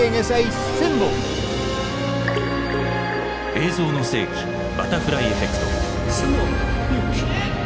「映像の世紀バタフライエフェクト」。